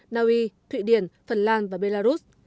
naui thụy điển phần lan và belarus